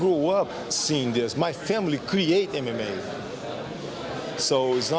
jadi ini adalah pertanyaan untuk mengajarkan para penonton